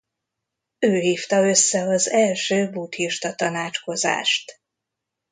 Ő hívta össze az első buddhista tanácskozást.